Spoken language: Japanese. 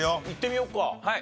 いってみようか。